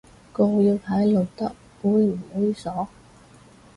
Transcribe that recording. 告要睇露得猥唔猥褻